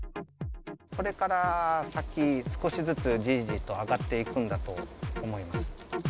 これから先、少しずつじりじりと上がっていくんだと思います。